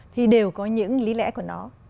thì đều có những lý lẽ của nó